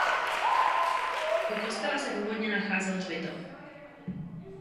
U kostela se původně nacházel hřbitov.